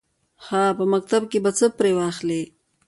_هه! په مکتب کې به څه پرې واخلې.